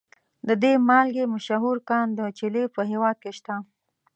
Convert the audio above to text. د دې مالګې مشهور کان د چیلي په هیواد کې شته.